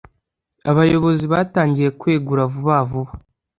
Abayobozi batangiye kwegura vuba vuba